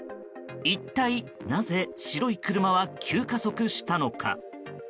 一体なぜ白い車は急加速したのか。